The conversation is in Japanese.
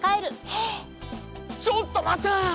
はっちょっと待った！